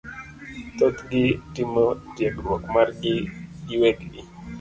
Thothgi timo tiegruok margi giwegi